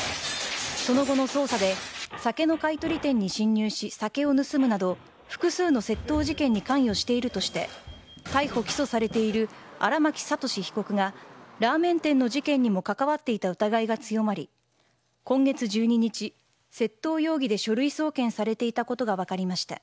その後の捜査で酒の買取店に侵入し酒を盗むなど複数の窃盗事件に関与しているとして逮捕、起訴されている荒巻悟志被告がラーメン店の事件にも関わっていた疑いが強まり今月１２日、窃盗容疑で書類送検されていたことが分かりました。